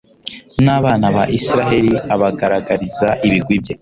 n'abana ba israheli abagaragariza ibigwi bye